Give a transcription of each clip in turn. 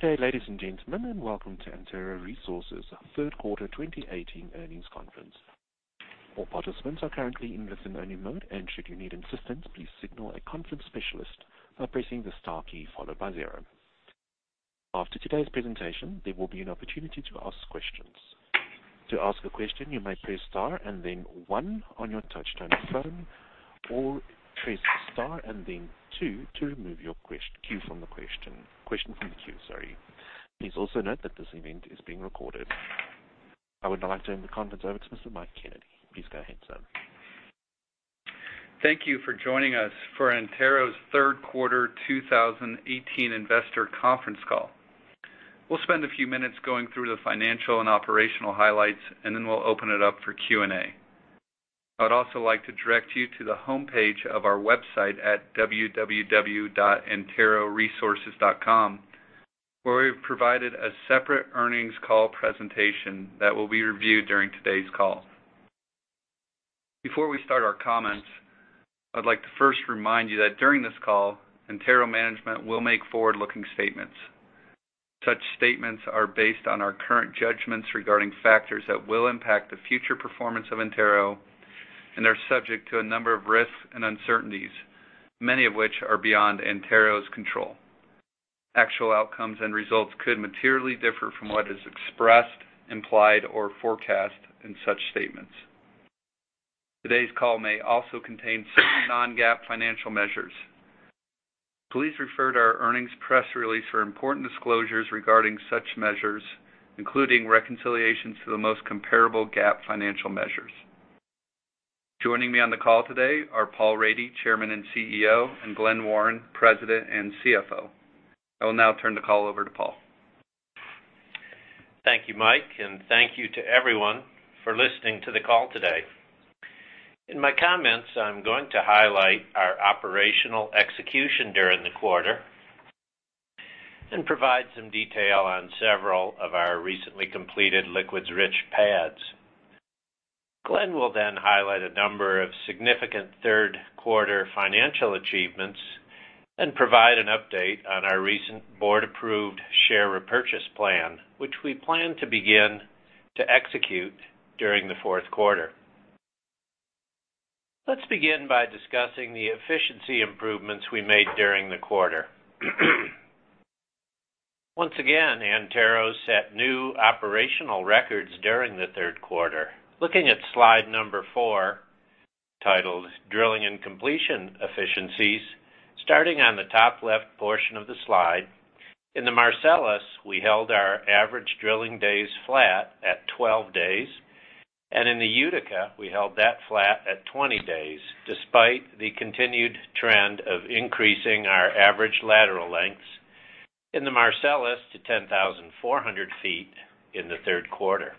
Good day, ladies and gentlemen, and welcome to Antero Resources' third quarter 2018 earnings conference. All participants are currently in listen-only mode. Should you need assistance, please signal a conference specialist by pressing the star key followed by zero. After today's presentation, there will be an opportunity to ask questions. To ask a question, you may press star then one on your touch-tone phone, or press star then two to remove your question from the queue. Please also note that this event is being recorded. I would now like to turn the conference over to Mr. Mike Kennedy. Please go ahead, sir. Thank you for joining us for Antero's third quarter 2018 investor conference call. We'll spend a few minutes going through the financial and operational highlights. We'll open it up for Q&A. I'd also like to direct you to the homepage of our website at www.anteroresources.com, where we've provided a separate earnings call presentation that will be reviewed during today's call. Before we start our comments, I'd like to first remind you that during this call, Antero management will make forward-looking statements. Such statements are based on our current judgments regarding factors that will impact the future performance of Antero, and are subject to a number of risks and uncertainties, many of which are beyond Antero's control. Actual outcomes and results could materially differ from what is expressed, implied, or forecast in such statements. Today's call may also contain certain non-GAAP financial measures. Please refer to our earnings press release for important disclosures regarding such measures, including reconciliations to the most comparable GAAP financial measures. Joining me on the call today are Paul Rady, Chairman and CEO, and Glen Warren, President and CFO. I will now turn the call over to Paul. Thank you, Mike. Thank you to everyone for listening to the call today. In my comments, I'm going to highlight our operational execution during the quarter and provide some detail on several of our recently completed liquids-rich pads. Glen will then highlight a number of significant third quarter financial achievements and provide an update on our recent board-approved share repurchase plan, which we plan to begin to execute during the fourth quarter. Let's begin by discussing the efficiency improvements we made during the quarter. Once again, Antero set new operational records during the third quarter. Looking at slide number four, titled Drilling and Completion Efficiencies, starting on the top left portion of the slide, in the Marcellus, we held our average drilling days flat at 12 days, and in the Utica, we held that flat at 20 days, despite the continued trend of increasing our average lateral lengths in the Marcellus to 10,400 feet in the third quarter.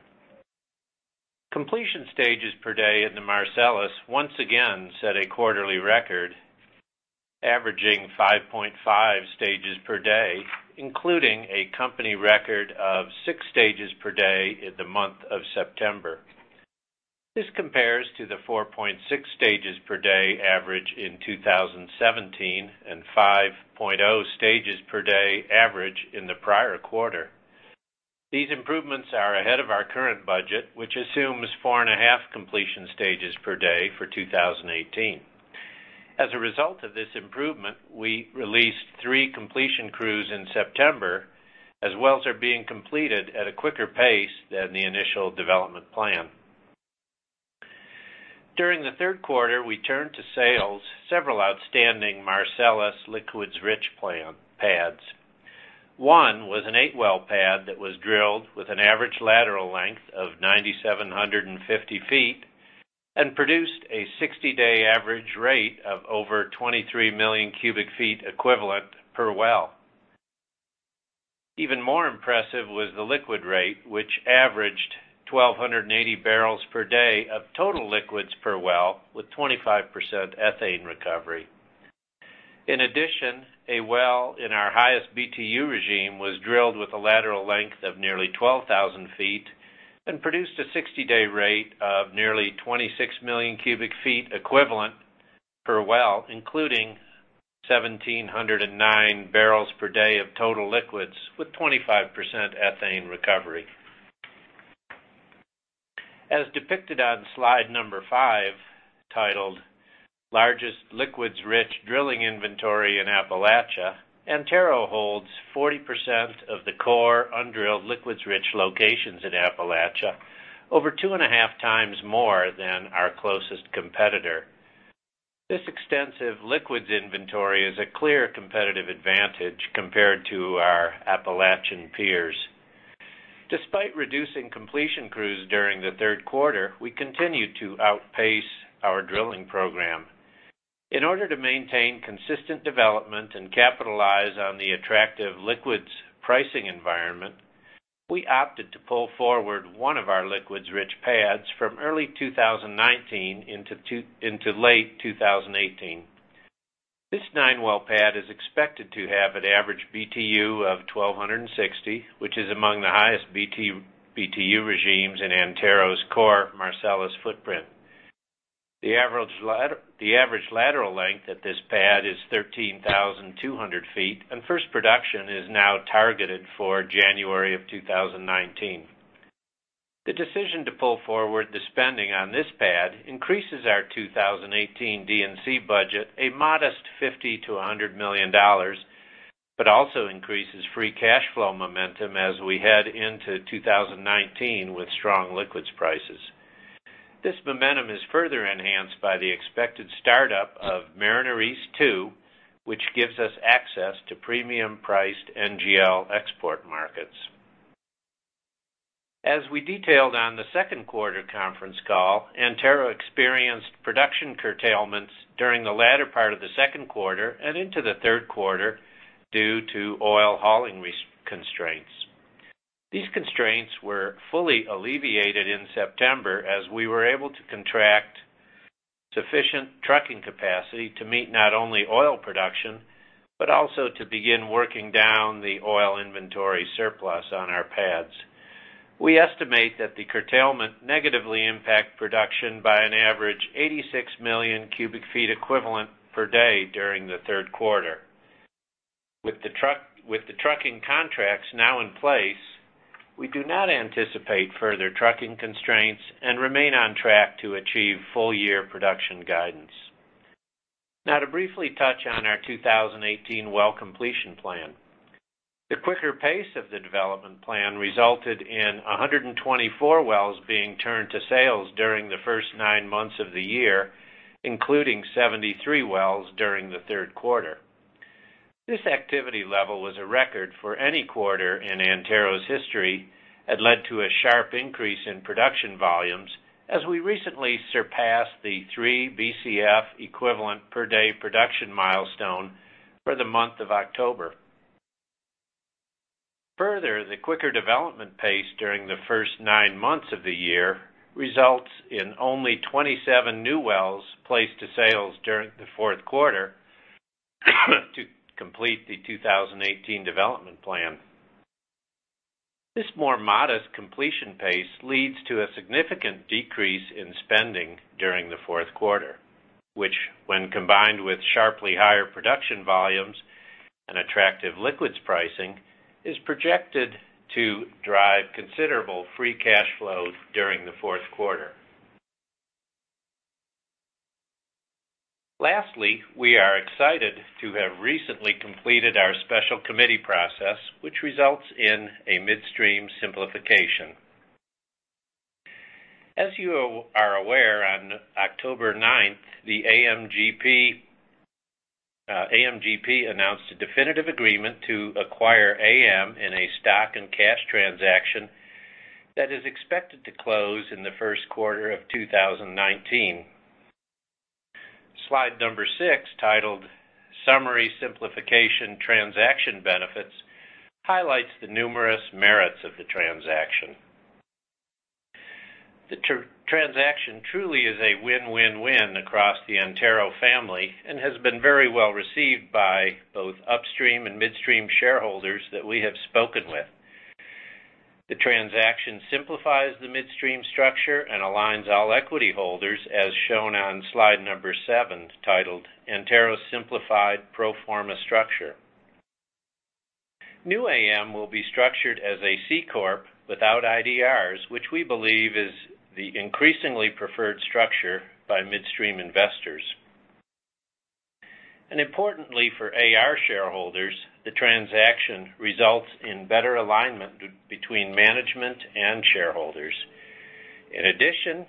Completion stages per day in the Marcellus once again set a quarterly record, averaging 5.5 stages per day, including a company record of 6 stages per day in the month of September. This compares to the 4.6 stages per day average in 2017 and 5.0 stages per day average in the prior quarter. These improvements are ahead of our current budget, which assumes four and a half completion stages per day for 2018. As a result of this improvement, we released 3 completion crews in September, as wells are being completed at a quicker pace than the initial development plan. During the third quarter, we turned to sales several outstanding Marcellus liquids-rich pads. One was an 8-well pad that was drilled with an average lateral length of 9,750 feet and produced a 60-day average rate of over 23 million cubic feet equivalent per well. Even more impressive was the liquid rate, which averaged 1,280 barrels per day of total liquids per well, with 25% ethane recovery. In addition, a well in our highest BTU regime was drilled with a lateral length of nearly 12,000 feet and produced a 60-day rate of nearly 26 million cubic feet equivalent per well, including 1,709 barrels per day of total liquids, with 25% ethane recovery. As depicted on slide number five, titled Largest Liquids Rich Drilling Inventory in Appalachia, Antero holds 40% of the core undrilled liquids-rich locations in Appalachia, over two and a half times more than our closest competitor. This extensive liquids inventory is a clear competitive advantage compared to our Appalachian peers. Despite reducing completion crews during the third quarter, we continued to outpace our drilling program. In order to maintain consistent development and capitalize on the attractive liquids pricing environment, we opted to pull forward one of our liquids-rich pads from early 2019 into late 2018. This 9-well pad is expected to have an average BTU of 1,260, which is among the highest BTU regimes in Antero's core Marcellus footprint. The average lateral length at this pad is 13,200 feet, and first production is now targeted for January of 2019. The decision to pull forward the spending on this pad increases our 2018 D&C budget, a modest $50 million-$100 million, but also increases free cash flow momentum as we head into 2019 with strong liquids prices. This momentum is further enhanced by the expected startup of Mariner East 2, which gives us access to premium-priced NGL export markets. As we detailed on the second quarter conference call, Antero experienced production curtailments during the latter part of the second quarter and into the third quarter due to oil hauling constraints. These constraints were fully alleviated in September as we were able to contract sufficient trucking capacity to meet not only oil production, but also to begin working down the oil inventory surplus on our pads. We estimate that the curtailment negatively impact production by an average 86 million cubic feet equivalent per day during the third quarter. With the trucking contracts now in place, we do not anticipate further trucking constraints and remain on track to achieve full year production guidance. Now to briefly touch on our 2018 well completion plan. The quicker pace of the development plan resulted in 124 wells being turned to sales during the first nine months of the year, including 73 wells during the third quarter. This activity level was a record for any quarter in Antero's history and led to a sharp increase in production volumes as we recently surpassed the three Bcf equivalent per day production milestone for the month of October. Further, the quicker development pace during the first nine months of the year results in only 27 new wells placed to sales during the fourth quarter to complete the 2018 development plan. This more modest completion pace leads to a significant decrease in spending during the fourth quarter, which, when combined with sharply higher production volumes and attractive liquids pricing, is projected to drive considerable free cash flow during the fourth quarter. Lastly, we are excited to have recently completed our special committee process, which results in a midstream simplification. As you are aware, on October 9th, the AMGP announced a definitive agreement to acquire AM in a stock and cash transaction that is expected to close in the first quarter of 2019. Slide number six, titled Summary Simplification Transaction Benefits, highlights the numerous merits of the transaction. The transaction truly is a win-win-win across the Antero family and has been very well received by both upstream and midstream shareholders that we have spoken with. The transaction simplifies the midstream structure and aligns all equity holders as shown on slide number seven, titled Antero's Simplified Pro Forma Structure. New AM will be structured as a C corp without IDRs, which we believe is the increasingly preferred structure by midstream investors. Importantly for AR shareholders, the transaction results in better alignment between management and shareholders. In addition,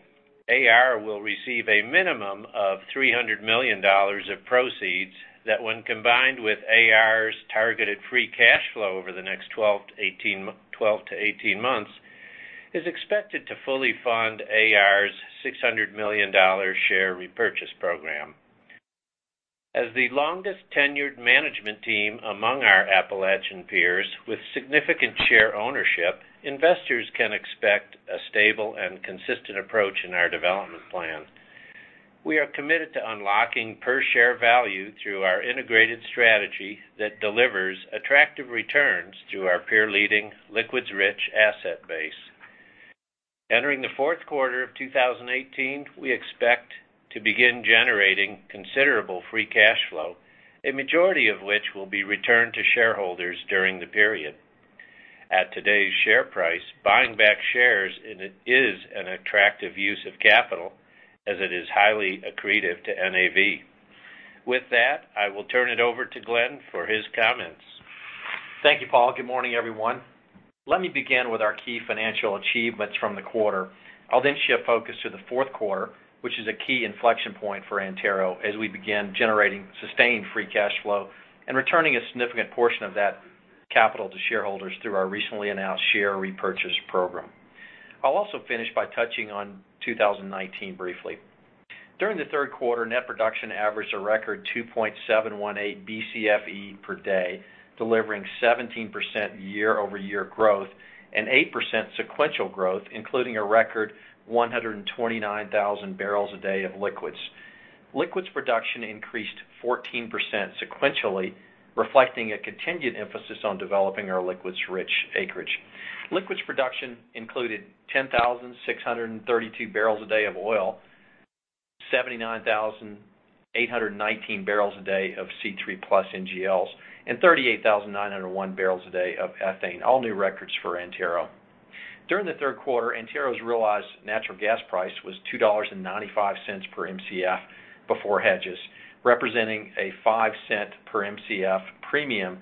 AR will receive a minimum of $300 million of proceeds that, when combined with AR's targeted free cash flow over the next 12 to 18 months, is expected to fully fund AR's $600 million share repurchase program. As the longest-tenured management team among our Appalachian peers with significant share ownership, investors can expect a stable and consistent approach in our development plan. We are committed to unlocking per-share value through our integrated strategy that delivers attractive returns to our peer-leading, liquids-rich asset base. Entering the fourth quarter of 2018, we expect to begin generating considerable free cash flow, a majority of which will be returned to shareholders during the period. At today's share price, buying back shares is an attractive use of capital as it is highly accretive to NAV. With that, I will turn it over to Glen for his comments. Thank you, Paul. Good morning, everyone. Let me begin with our key financial achievements from the quarter. I'll shift focus to the fourth quarter, which is a key inflection point for Antero as we begin generating sustained free cash flow and returning a significant portion of that capital to shareholders through our recently announced share repurchase program. I'll also finish by touching on 2019 briefly. During the third quarter, net production averaged a record 2.718 Bcfe per day, delivering 17% year-over-year growth and 8% sequential growth, including a record 129,000 barrels a day of liquids. Liquids production increased 14% sequentially, reflecting a continued emphasis on developing our liquids-rich acreage. Liquids production included 10,632 barrels a day of oil, 79,819 barrels a day of C3+ NGLs, and 38,901 barrels a day of ethane, all new records for Antero. During the third quarter, Antero's realized natural gas price was $2.95 per Mcf before hedges, representing a $0.05 per Mcf premium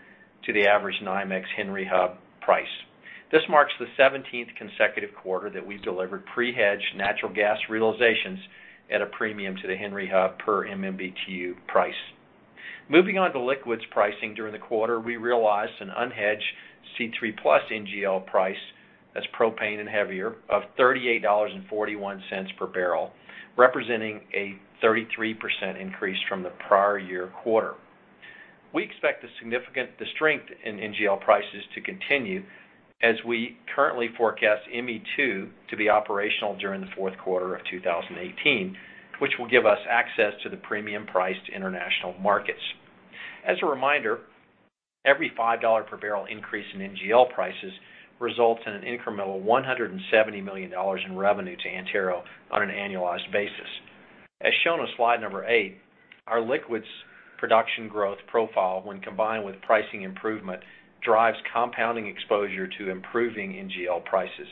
to the average NYMEX Henry Hub price. This marks the 17th consecutive quarter that we've delivered pre-hedged natural gas realizations at a premium to the Henry Hub per MMBtu price. Moving on to liquids pricing during the quarter, we realized an unhedged C3+ NGL price, that's propane and heavier, of $38.41 per barrel, representing a 33% increase from the prior year quarter. We expect the strength in NGL prices to continue as we currently forecast ME2 to be operational during the fourth quarter of 2018, which will give us access to the premium priced international markets. As a reminder, every $5 per barrel increase in NGL prices results in an incremental $170 million in revenue to Antero on an annualized basis. As shown on slide number eight, our liquids production growth profile when combined with pricing improvement, drives compounding exposure to improving NGL prices.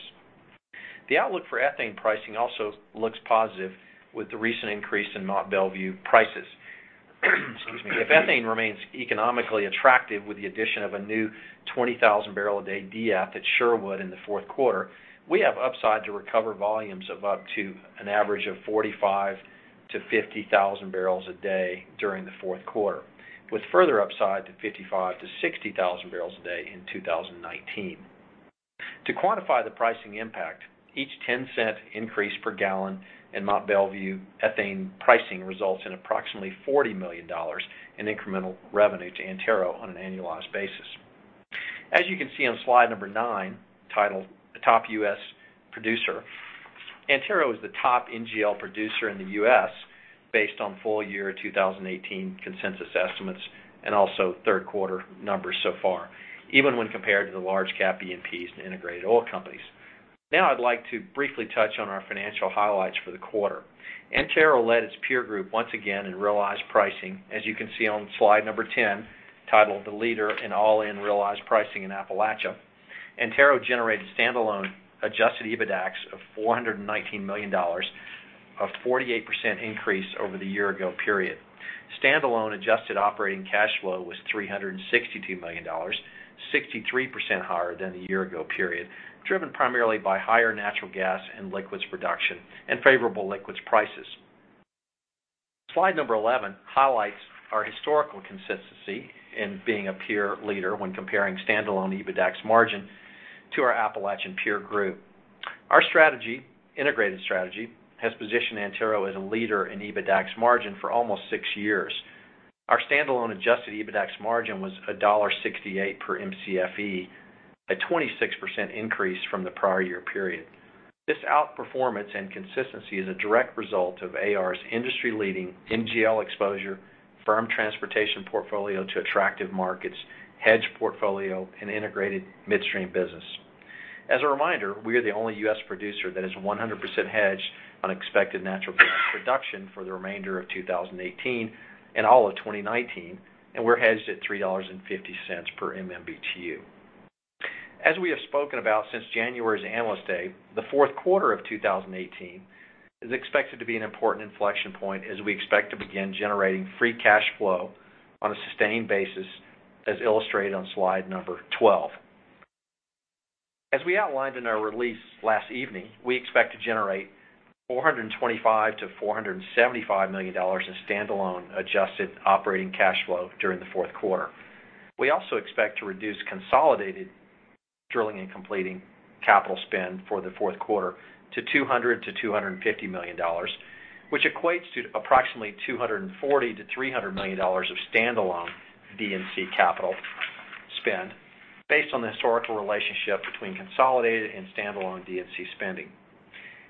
The outlook for ethane pricing also looks positive with the recent increase in Mont Belvieu prices. Excuse me. If ethane remains economically attractive with the addition of a new 20,000 barrel a day de-eth at Sherwood in the fourth quarter, we have upside to recover volumes of up to an average of 45,000-50,000 barrels a day during the fourth quarter, with further upside to 55,000-60,000 barrels a day in 2019. To quantify the pricing impact, each $0.10 increase per gallon in Mont Belvieu ethane pricing results in approximately $40 million in incremental revenue to Antero on an annualized basis. As you can see on slide number nine, titled Top U.S. Producer, Antero is the top NGL producer in the U.S. based on full year 2018 consensus estimates and also third quarter numbers so far, even when compared to the large cap E&Ps and integrated oil companies. I'd like to briefly touch on our financial highlights for the quarter. Antero led its peer group once again in realized pricing, as you can see on slide number 10, titled The Leader in All-In Realized Pricing in Appalachia. Antero generated standalone adjusted EBITDAX of $419 million, a 48% increase over the year ago period. Standalone adjusted operating cash flow was $362 million, 63% higher than the year ago period, driven primarily by higher natural gas and liquids production and favorable liquids prices. Slide number 11 highlights our historical consistency in being a peer leader when comparing standalone EBITDAX margin to our Appalachian peer group. Our integrated strategy has positioned Antero as a leader in EBITDAX margin for almost 6 years. Our standalone adjusted EBITDAX margin was $1.68 per Mcfe, a 26% increase from the prior year period. This outperformance and consistency is a direct result of AR's industry-leading NGL exposure, firm transportation portfolio to attractive markets, hedge portfolio, and integrated midstream business. As a reminder, we are the only U.S. producer that is 100% hedged on expected natural production for the remainder of 2018 and all of 2019, and we're hedged at $3.50 per MMBtu. As we have spoken about since January's Analyst Day, the fourth quarter of 2018 is expected to be an important inflection point as we expect to begin generating free cash flow on a sustained basis, as illustrated on slide number 12. As we outlined in our release last evening, we expect to generate $425 million-$475 million in standalone adjusted operating cash flow during the fourth quarter. We also expect to reduce consolidated drilling and completing capital spend for the fourth quarter to $200 million-$250 million, which equates to approximately $240 million-$300 million of standalone D&C capital spend based on the historical relationship between consolidated and standalone D&C spending.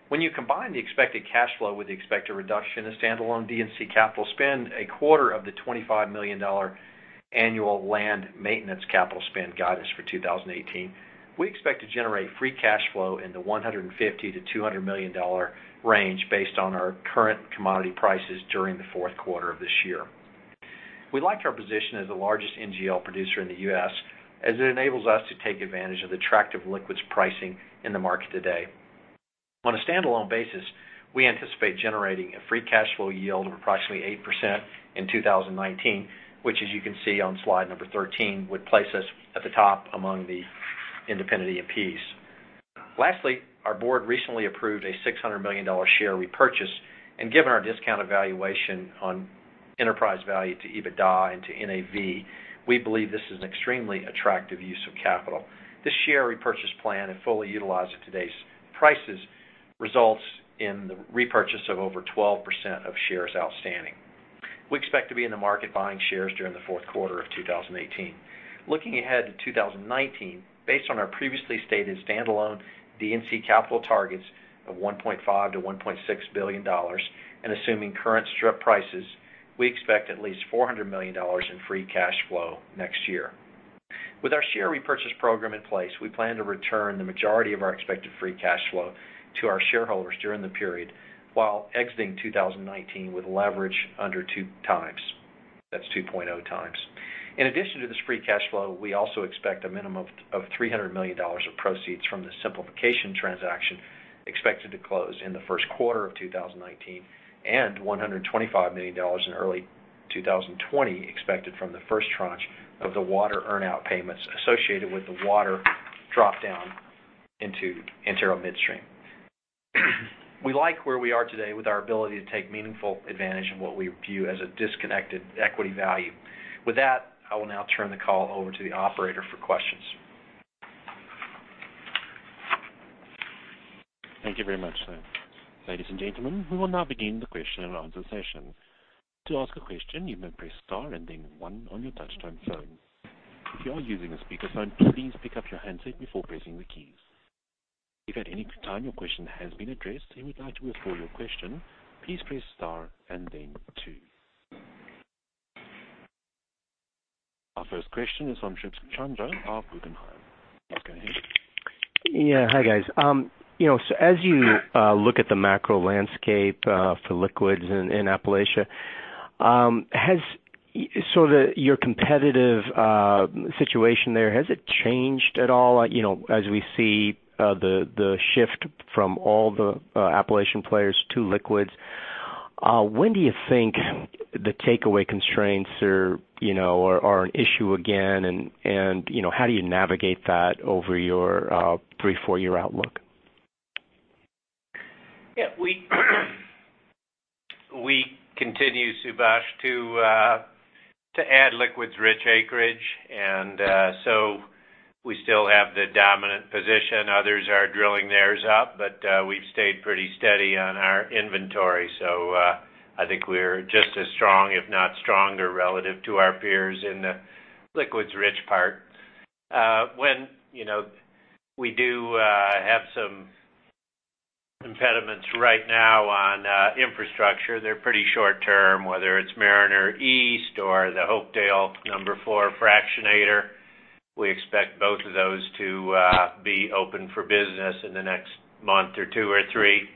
When you combine the expected cash flow with the expected reduction in standalone D&C capital spend, a quarter of the $25 million annual land maintenance capital spend guidance for 2018, we expect to generate free cash flow in the $150 million-$200 million range based on our current commodity prices during the fourth quarter of this year. We liked our position as the largest NGL producer in the U.S. as it enables us to take advantage of the attractive liquids pricing in the market today. On a standalone basis, we anticipate generating a free cash flow yield of approximately 8% in 2019, which, as you can see on slide number 13, would place us at the top among the independent E&Ps. Lastly, our board recently approved a $600 million share repurchase, and given our discounted valuation on enterprise value to EBITDA and to NAV, we believe this is an extremely attractive use of capital. This share repurchase plan, if fully utilized at today's prices, results in the repurchase of over 12% of shares outstanding. We expect to be in the market buying shares during the fourth quarter of 2018. Looking ahead to 2019, based on our previously stated standalone D&C capital targets of $1.5 billion-$1.6 billion, and assuming current strip prices, we expect at least $400 million in free cash flow next year. With our share repurchase program in place, we plan to return the majority of our expected free cash flow to our shareholders during the period, while exiting 2019 with leverage under 2 times. That's 2.0 times. In addition to this free cash flow, we also expect a minimum of $300 million of proceeds from the simplification transaction expected to close in the first quarter of 2019, and $125 million in early 2020 expected from the first tranche of the water earn-out payments associated with the water drop-down into Antero Midstream. We like where we are today with our ability to take meaningful advantage of what we view as a disconnected equity value. With that, I will now turn the call over to the operator for questions. Thank you very much, sir. Ladies and gentlemen, we will now begin the question and answer session. To ask a question, you may press star and then one on your touchtone phone. If you are using a speakerphone, please pick up your handset before pressing the keys. If at any time your question has been addressed and you would like to withdraw your question, please press star and then two. Our first question is from Subhash Chandra of Guggenheim. You may go ahead. Yeah. Hi, guys. As you look at the macro landscape for liquids in Appalachia, your competitive situation there, has it changed at all? As we see the shift from all the Appalachian players to liquids, when do you think the takeaway constraints are an issue again, and how do you navigate that over your three, four-year outlook? Yeah. We continue, Subhash, to add liquids-rich acreage, and we still have the dominant position. Others are drilling theirs up, but we've stayed pretty steady on our inventory. I think we're just as strong, if not stronger, relative to our peers in the liquids-rich part. We do have some impediments right now on infrastructure. They're pretty short-term, whether it's Mariner East or the Hopedale number 4 fractionator. We expect both of those to be open for business in the next month or two or three.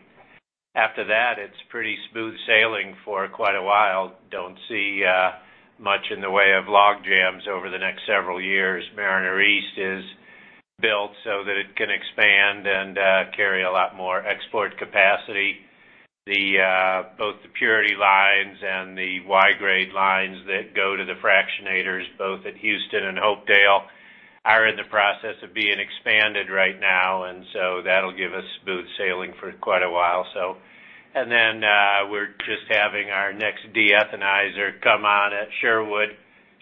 After that, it's pretty smooth sailing for quite a while. Don't see much in the way of log jams over the next several years. Mariner East is built so that it can expand and carry a lot more export capacity. Both the purity lines and the Y-grade lines that go to the fractionators, both at Houston and Hopedale, are in the process of being expanded right now. That'll give us smooth sailing for quite a while. Then we're just having our next de-ethanizer come on at Sherwood.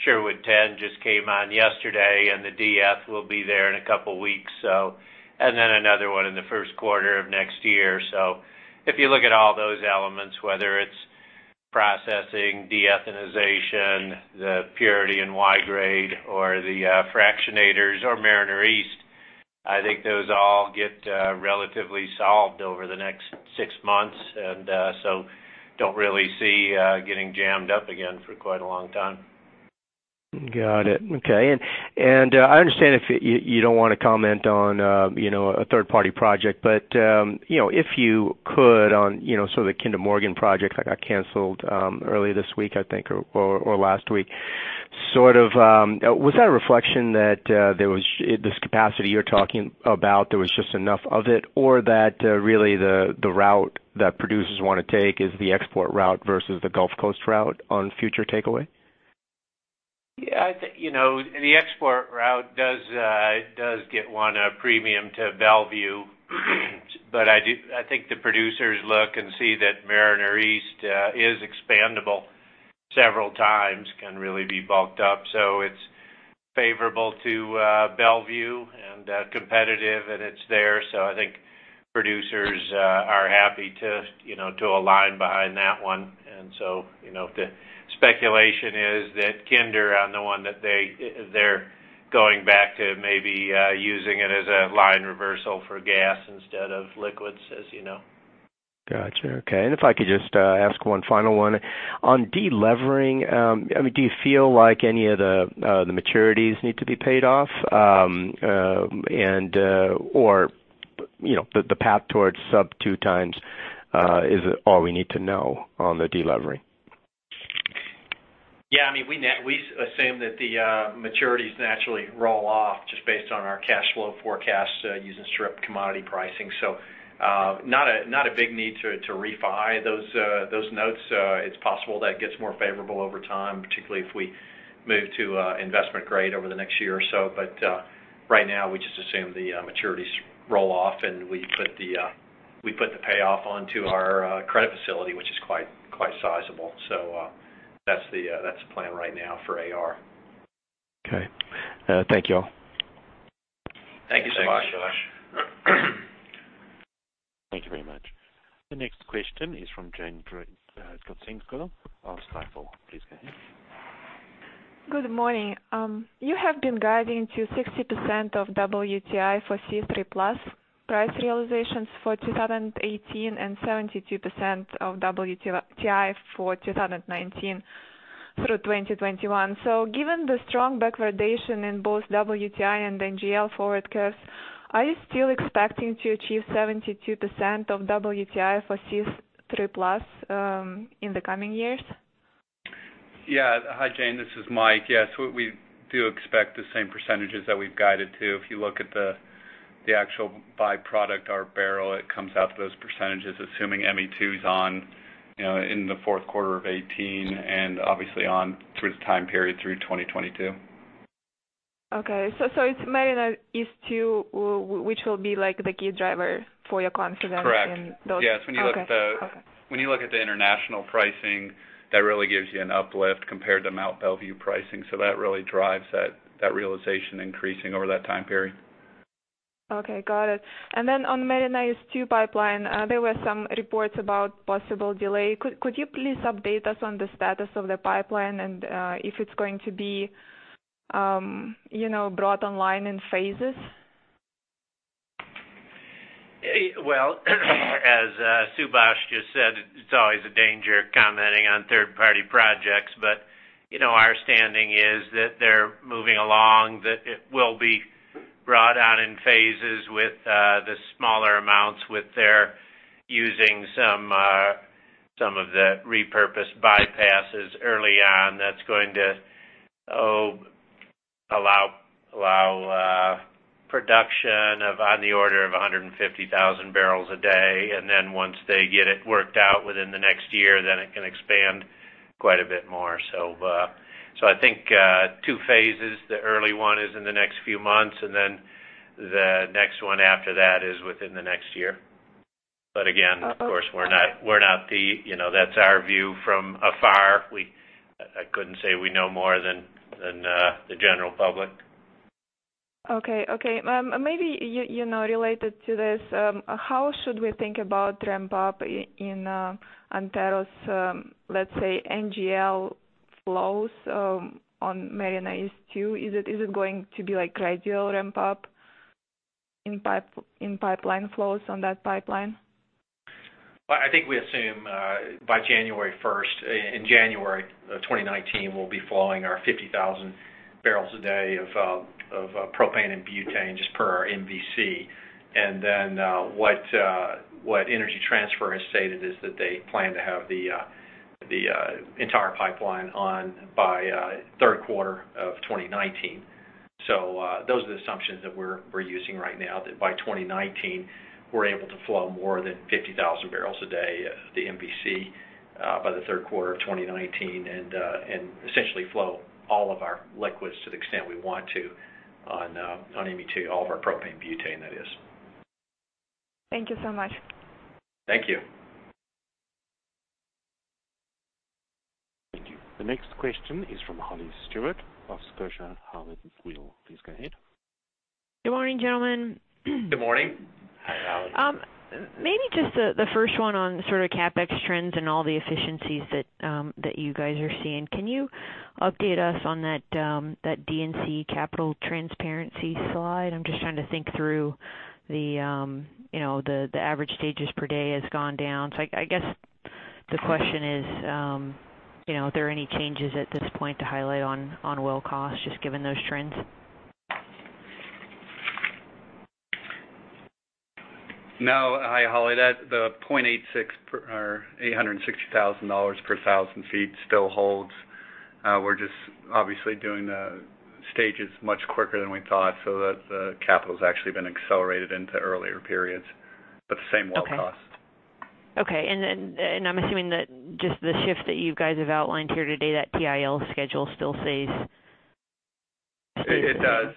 Sherwood 10 just came on yesterday, and the DF will be there in a couple of weeks. Then another one in the first quarter of next year. If you look at all those elements, whether it's processing de-ethanization, the purity in Y-grade or the fractionators or Mariner East, I think those all get relatively solved over the next six months. Don't really see getting jammed up again for quite a long time. Got it. Okay. I understand if you don't want to comment on a third-party project, but if you could on the Kinder Morgan project that got canceled early this week, I think, or last week. Was that a reflection that this capacity you're talking about, there was just enough of it, or that really the route that producers want to take is the export route versus the Gulf Coast route on future takeaway? Yeah. The export route does get one a premium to Belvieu, but I think the producers look and see that Mariner East is expandable several times, can really be bulked up. It's favorable to Belvieu and competitive, and it's there. I think producers are happy to align behind that one. The speculation is that Kinder are the one that they're going back to maybe using it as a line reversal for gas instead of liquids, as you know. Got you. Okay. If I could just ask one final one. On de-levering, do you feel like any of the maturities need to be paid off? Or the path towards sub 2x, is it all we need to know on the de-levering? We assume that the maturities naturally roll off just based on our cash flow forecast using strip commodity pricing. Not a big need to refi those notes. It's possible that gets more favorable over time, particularly if we move to investment grade over the next year or so. Right now, we just assume the maturities roll off, and we put the payoff onto our credit facility, which is quite sizable. That's the plan right now for AR. Thank you all. Thank you, Subhash. Thank you very much. The next question is from Jane. Good morning. You have been guiding to 60% of WTI for C3+ price realizations for 2018 and 72% of WTI for 2019 through 2021. Given the strong backwardation in both WTI and NGL forward curves, are you still expecting to achieve 72% of WTI for C3+ in the coming years? Yeah. Hi, Jane, this is Mike. Yes, we do expect the same percentages that we've guided to. If you look at the actual by-product, our barrel, it comes out to those percentages, assuming ME2 is on in the fourth quarter of 2018, and obviously on through the time period through 2022. Okay. It's Mariner East 2 which will be the key driver for your confidence in those- Correct. Okay. Yes, when you look at the international pricing, that really gives you an uplift compared to Mont Belvieu pricing. That really drives that realization increasing over that time period. Okay. Got it. Then on the Mariner East 2 pipeline, there were some reports about possible delay. Could you please update us on the status of the pipeline and if it's going to be brought online in phases? As Subhash just said, it's always a danger commenting on third-party projects. Our understanding is that they're moving along, that it will be brought on in phases with the smaller amounts with their using some of the repurposed bypasses early on. That's going to allow production of on the order of 150,000 barrels a day. Once they get it worked out within the next year, it can expand quite a bit more. I think two phases. The early one is in the next few months, and then the next one after that is within the next year. Again, of course, that's our view from afar. I couldn't say we know more than the general public. Maybe related to this, how should we think about ramp-up in Antero's, let's say, NGL flows on Mariner East 2? Is it going to be gradual ramp-up in pipeline flows on that pipeline? I think we assume by January 1st, in January 2019, we'll be flowing our 50,000 barrels a day of propane and butane just per our MVC. What Energy Transfer has stated is that they plan to have the entire pipeline on by third quarter of 2019. Those are the assumptions that we are using right now, that by 2019, we're able to flow more than 50,000 barrels a day, the MVC, by the third quarter of 2019, and essentially flow all of our liquids to the extent we want to on ME2, all of our propane butane, that is. Thank you so much. Thank you. Thank you. The next question is from Holly Stewart of Scotiabank. Holly, please go ahead. Good morning, gentlemen. Good morning. Hi, Holly. Maybe just the first one on sort of CapEx trends and all the efficiencies that you guys are seeing. Can you update us on that D&C capital transparency slide? I'm just trying to think through the average stages per day has gone down. I guess the question is, are there any changes at this point to highlight on well cost, just given those trends? No. Hi, Holly. The $0.86 or $860,000 per 1,000 feet still holds. We're just obviously doing the stages much quicker than we thought, so that the capital's actually been accelerated into earlier periods, but the same well cost. Okay. I'm assuming that just the shift that you guys have outlined here today, that TIL schedule still stays the same. It does.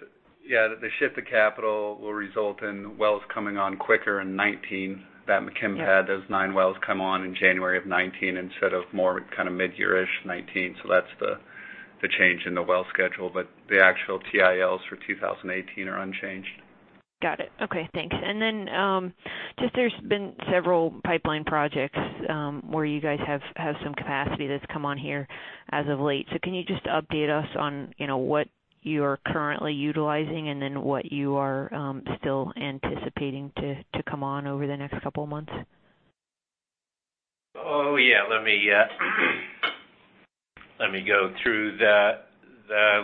Yeah. The shift to capital will result in wells coming on quicker in 2019. Bat-McKim had those nine wells come on in January of 2019 instead of more kind of midyear-ish 2019. That's the change in the well schedule. The actual TILs for 2018 are unchanged. Got it. Okay, thanks. Just there's been several pipeline projects where you guys have had some capacity that's come on here as of late. Can you just update us on what you are currently utilizing and then what you are still anticipating to come on over the next couple of months? Let me go through the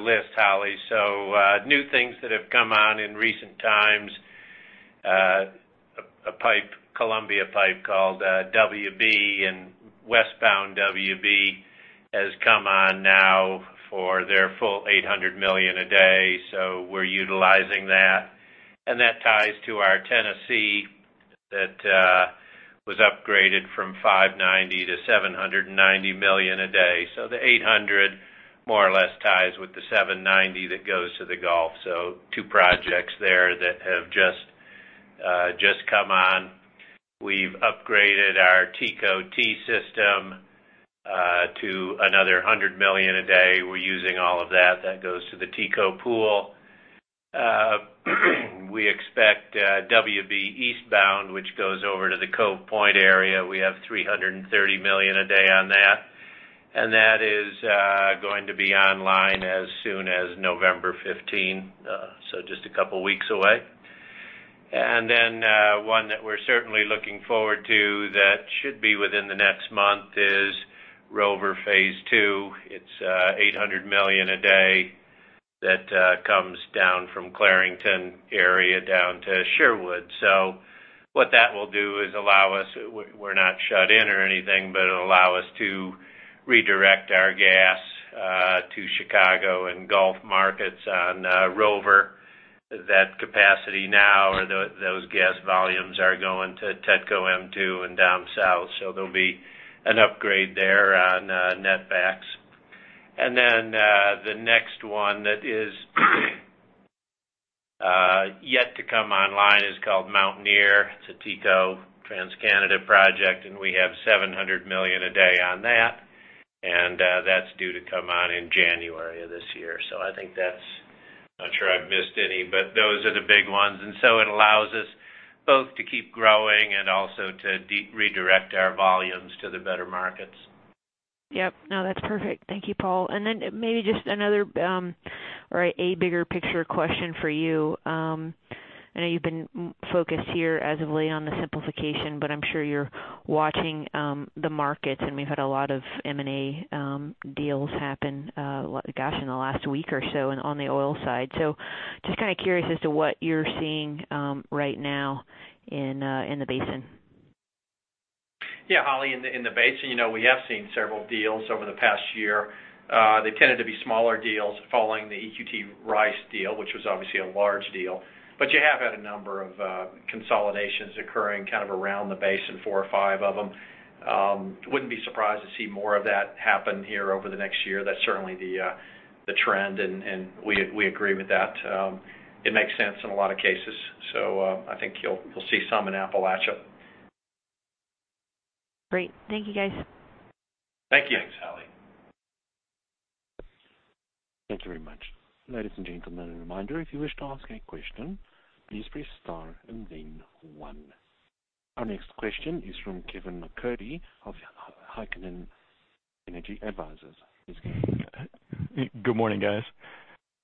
list, Holly Stewart. New things that have come on in recent times, a Columbia pipe called WB. Westbound WB has come on now for their full 800 million a day. We're utilizing that. That ties to our Tennessee that was upgraded from 590 to 790 million a day. The 800 more or less ties with the 790 that goes to the Gulf. Two projects there that have just come on. We've upgraded our TETCO system to another 100 million a day. We're using all of that. That goes to the TETCO Pool. We expect WB eastbound, which goes over to the Cove Point area. We have 330 million a day on that is going to be online as soon as November 15. Just a couple of weeks away. One that we're certainly looking forward to that should be within the next month is Rover Phase 2. It's 800 million a day that comes down from Clarington area down to Sherwood. What that will do is allow us, we're not shut in or anything, but it'll allow us to redirect our gas to Chicago and Gulf markets on Rover. That capacity now or those gas volumes are going to TETCO M2 and down south. There'll be an upgrade there on Netbacks. The next one that is yet to come online is called Mountaineer. It's a TC Energy project, we have 700 million a day on that's due to come on in January of this year. I'm not sure I've missed any, but those are the big ones. It allows us both to keep growing and also to redirect our volumes to the better markets. Yep. No, that's perfect. Thank you, Paul. Maybe just another or a bigger picture question for you. I know you've been focused here as of late on the simplification, but I'm sure you're watching the markets, and we've had a lot of M&A deals happen, gosh, in the last week or so and on the oil side. Just curious as to what you're seeing right now in the basin. Yeah, Holly, in the basin, we have seen several deals over the past year. They tended to be smaller deals following the EQT Rice deal, which was obviously a large deal. You have had a number of consolidations occurring around the basin, four or five of them. Wouldn't be surprised to see more of that happen here over the next year. That's certainly the trend, and we agree with that. It makes sense in a lot of cases. I think you'll see some in Appalachia. Great. Thank you, guys. Thank you. Thanks, Holly. Thank you very much. Ladies and gentlemen, a reminder, if you wish to ask a question, please press star and then one. Our next question is from Kevin MacCurdy of Heikkinen Energy Advisors. Please go ahead. Good morning, guys.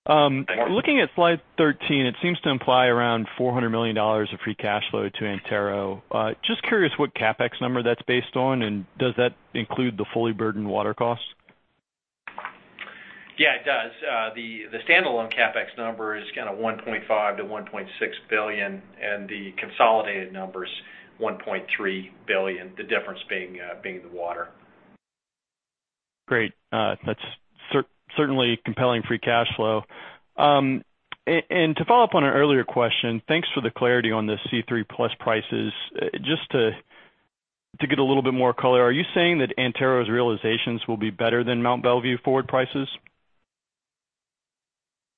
Good morning. Looking at slide 13, it seems to imply around $400 million of free cash flow to Antero. Just curious what CapEx number that's based on, and does that include the fully burdened water costs? Yeah, it does. The standalone CapEx number is $1.5 billion-$1.6 billion, and the consolidated number's $1.3 billion, the difference being the water. Great. That's certainly compelling free cash flow. To follow up on an earlier question, thanks for the clarity on the C3+ prices. Just to get a little bit more color, are you saying that Antero's realizations will be better than Mont Belvieu forward prices?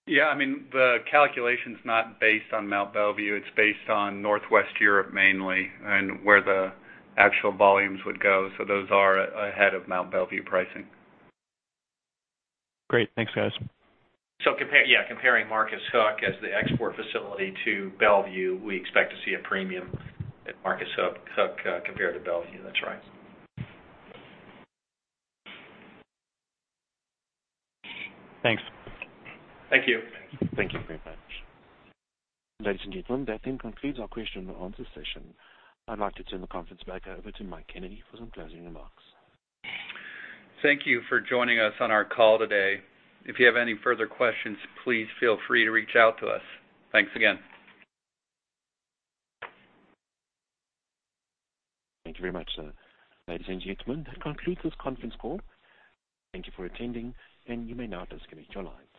Yeah, the calculation's not based on Mont Belvieu, it's based on Northwest Europe mainly, and where the actual volumes would go. Those are ahead of Mont Belvieu pricing. Great. Thanks, guys. Comparing Marcus Hook as the export facility to Belvieu, we expect to see a premium at Marcus Hook compared to Belvieu. That's right. Thanks. Thank you. Thank you very much. Ladies and gentlemen, that concludes our question and answer session. I'd like to turn the conference back over to Michael Kennedy for some closing remarks. Thank you for joining us on our call today. If you have any further questions, please feel free to reach out to us. Thanks again. Thank you very much, sir. Ladies and gentlemen, that concludes this conference call. Thank you for attending, and you may now disconnect your lines.